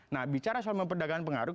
nah bicara soal memperdagang pengaruh